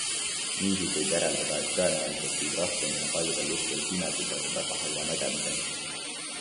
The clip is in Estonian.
Niisiis võib järeldada, et tõenäoliselt viib rasvumine paljudel juhtudel pimeduse või väga halva nägemiseni.